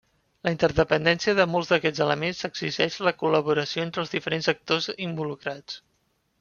La interdependència de molts d'aquests elements exigeix la col·laboració entre els diferents actors involucrats.